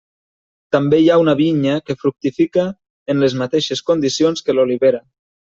També hi ha una vinya que fructifica en les mateixes condicions que l'olivera.